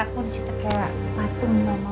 aku harus cita kayak batu